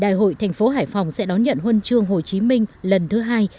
đại hội thành phố hải phòng sẽ đón nhận huân chương hồ chí minh lần thứ hai